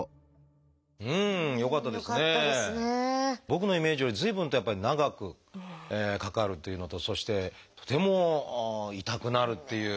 僕のイメージより随分とやっぱり長くかかるというのとそしてとても痛くなるっていう。